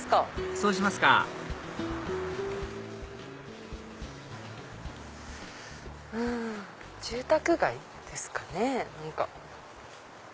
そうしますかうん住宅街ですかね。